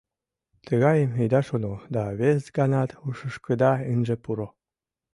Тыгайым ида шоно да вес ганат ушышкыда ынже пуро.